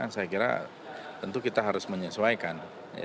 saya kira tentu kita harus menyesuaikan